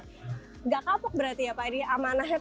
nggak kapuk berarti ya pak ini amanahnya